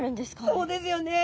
そうですよね。